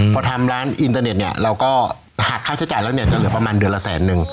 พอทำร้านอินเตอร์เน็ตเนี่ยเราก็หักค่าใช้จ่ายแล้วเนี่ยจะเหลือประมาณเดือนละแสนนึง